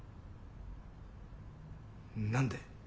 何で？